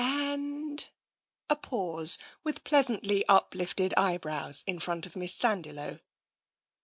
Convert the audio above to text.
" And ?" A pause, with pleasantly up lifted eyebrows, in front of Miss Sandiloe.